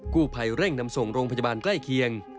กู้ภัยเร่งนำส่งโรงพยาบาลใกล้เคียง